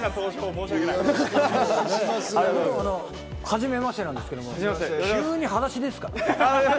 僕、はじめましてなんですけど、急に裸足ですからね。